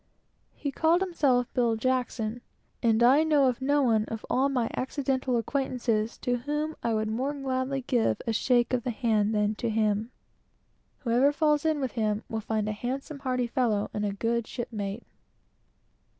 He called himself Bill Jackson; and I know no one of all my accidental acquaintances to whom I would more gladly give a shake of the hand than to him. Whoever falls in with him will find a handsome, hearty fellow, and a good shipmate.